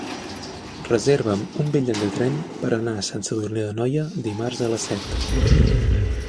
Reserva'm un bitllet de tren per anar a Sant Sadurní d'Anoia dimarts a les set.